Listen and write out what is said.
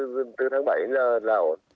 rừng từ tháng bảy giờ là ổn